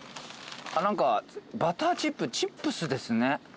何かバターチップチップスですね。